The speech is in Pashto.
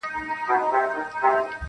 چي حکیم کړه ورنيژدې سږمو ته سوټه -